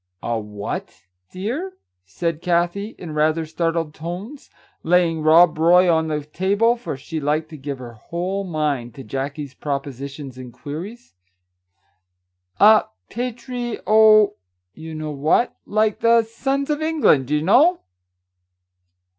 " A whaty dear ?" said Kathie, in rather startled tones, laying " Rob Roy " on the table, for she liked to give her whole mind to Jackie's propositions and queries. " A patri — oh, you know what ; like the Sons of England, you know